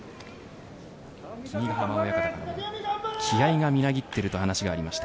君ヶ濱親方からも気合がみなぎっていると話がありました。